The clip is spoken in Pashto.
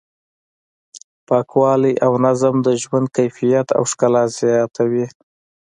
پاکوالی او نظم د ژوند کیفیت او ښکلا زیاتوي.